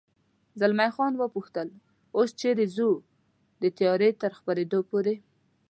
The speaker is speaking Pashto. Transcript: زلمی خان و پوښتل: اوس چېرې ځو؟ د تیارې تر خپرېدو پورې.